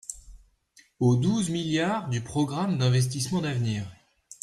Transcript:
Aux douze milliards du programme d’investissements d’avenir.